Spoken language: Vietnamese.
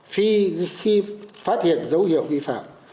khi phát hiện dấu hiệu vi phạm